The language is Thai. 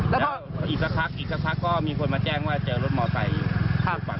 แล้วรเดินอีกคักอีกคักก็มีคนมาแจ้งว่าเจอรถมอเตยอีก